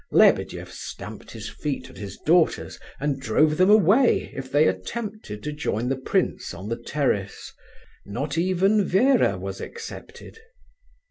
Lebedeff stamped his feet at his daughters and drove them away if they attempted to join the prince on the terrace; not even Vera was excepted.